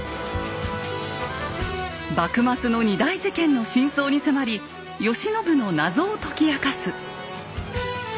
幕末の２大事件の真相に迫り慶喜の謎を解き明かす。